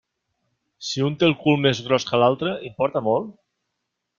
Si un té el cul més gros que l'altre, importa molt?